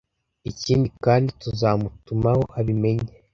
ikindi kandi tuzatumaho abimenye